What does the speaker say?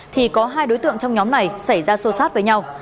thì có hai đối tượng trong nhóm này xảy ra sô sát với nhau